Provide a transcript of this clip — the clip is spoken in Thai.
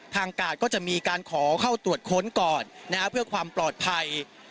กาดก็จะมีการขอเข้าตรวจค้นก่อนเพื่อความปลอดภัย